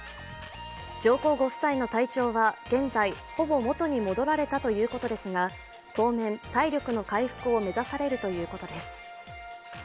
上皇ご夫妻の体調は現在、ほぼ元に戻られたということですが当面、体力の回復を目指されるということです。